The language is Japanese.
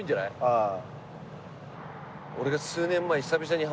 ああ。